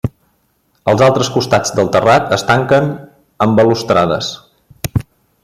Els altres costats del terrat es tanquen amb balustrades.